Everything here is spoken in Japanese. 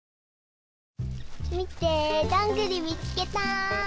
みてどんぐりみつけた！